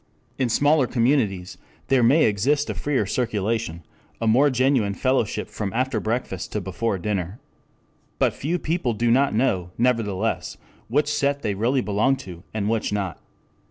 In smaller communities there may exist a freer circulation, a more genuine fellowship from after breakfast to before dinner. But few people do not know, nevertheless, which set they really belong to, and which not.